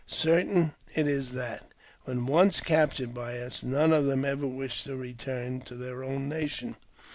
Certain it is that, when once captured by us, none of them ever wished to return to their own nation.